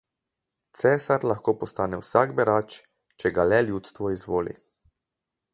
Cesar lahko postane vsak berač, če ga le ljudstvo izvoli.